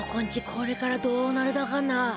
これからどうなるだかな。